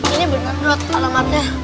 ini bener dot alamatnya